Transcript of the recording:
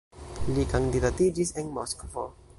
Li kandidatiĝis en Moskvo.